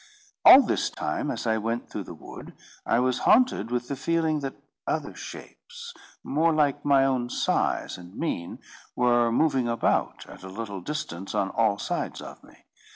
All this time, as I went through the wood, I was haunted with the feeling that other shapes, more like my own size and mien, were moving about at a little distance on all sides of me.